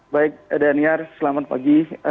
baik daniar selamat pagi